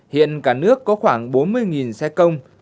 hiện cả nước có khoảng bốn mươi xe công